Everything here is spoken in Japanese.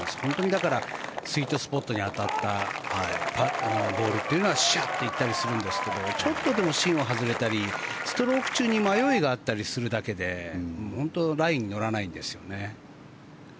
だから、スイートスポットに当たったボールというのはシャーッて行ったりするんですけどちょっとでも芯を外れたりストローク中に迷いがあったりするだけで本当にラインに乗らないんです。